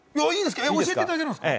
教えていただけますか？